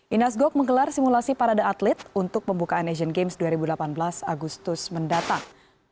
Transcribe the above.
inas gok menggelar simulasi parade atlet untuk pembukaan asian games dua ribu delapan belas agustus mendatang